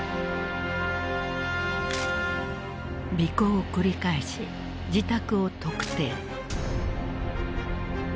尾行を繰り返し自宅を特定。